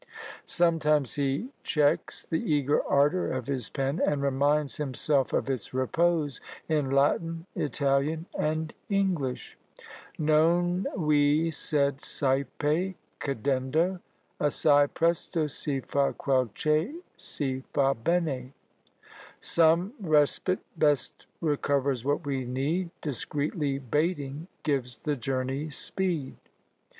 Sometimes he checks the eager ardour of his pen, and reminds himself of its repose, in Latin, Italian, and English. Non vi, sed sæpe cadendo. Assai presto si fa quel che si fa bene. Some respite best recovers what we need, Discreetly baiting gives the journey speed.